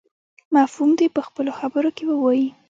مفهوم دې په خپلو خبرو کې ووایي.